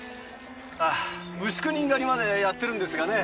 ああ無宿人狩りまでやってるんですがね。